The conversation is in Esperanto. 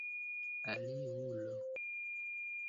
aliulo